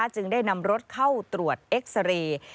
จึงได้นำรถเข้าตรวจเอ็กซาเรย์